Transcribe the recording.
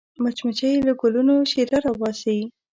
مچمچۍ له ګلونو شیره راوباسي